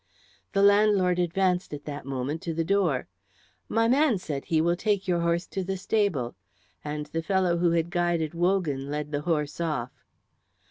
The landlord advanced at that moment to the door. "My man," said he, "will take your horse to the stable;" and the fellow who had guided Wogan led the horse off.